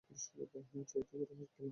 ট্রেতে করে হাসপাতালের নাশতা নিয়ে এসেছে।